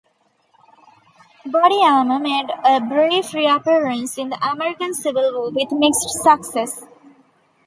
Body armour made a brief reappearance in the American Civil War with mixed success.